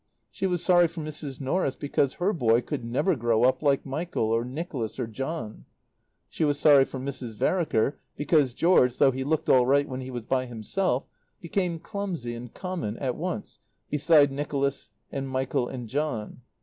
She was sorry for Mrs. Norris because her boy could never grow up like Michael or Nicholas or John. She was sorry for Mrs. Vereker because George, though he looked all right when he was by himself, became clumsy and common at once beside Michael and Nicholas and John.